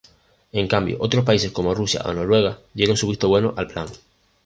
En cambio, otros países como Rusia o Noruega dieron su visto bueno al plan.